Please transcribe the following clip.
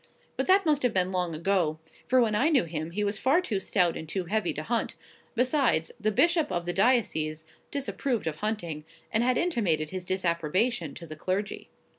But that must have been long ago for when I knew him he was far too stout and too heavy to hunt; besides, the bishop of the diocese disapproved of hunting, and had intimated his disapprobation to the clergy.